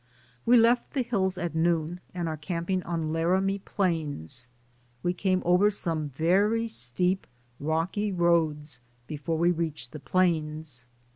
We left the hills at noon and are camping on Laramie Plains. We came over some very steep, rocky roads before we reached the plains.